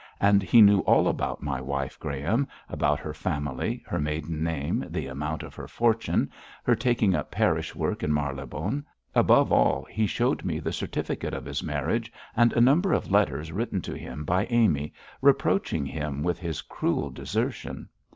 And he knew all about my wife, Graham about her family, her maiden name, the amount of her fortune, her taking up parish work in Marylebone. Above all, he showed me the certificate of his marriage, and a number of letters written to him by Amy, reproaching him with his cruel desertion.